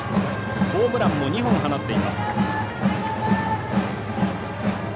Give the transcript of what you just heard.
ホームランも２本放っています。